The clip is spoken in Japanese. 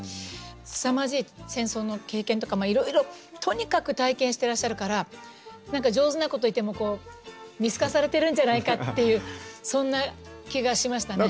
すさまじい戦争の経験とかいろいろとにかく体験してらっしゃるから何か上手なことを言っても見透かされているんじゃないかっていうそんな気がしましたね。